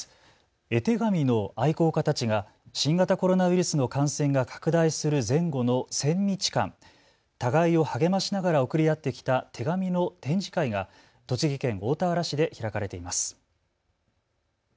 絵手紙の愛好家たちが新型コロナウイルスの感染が拡大する前後の１０００日間、互いを励ましながら送り合ってきた手紙の展示会が栃木県大田原市で開かれています。